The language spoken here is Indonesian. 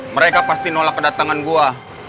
mereka pasti nolak kedatangan gue